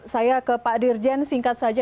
saya ke pak dirjen singkat saja